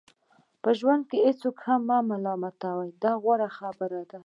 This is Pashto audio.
په ژوند کې هیڅوک هم مه ملامتوئ دا غوره کار دی.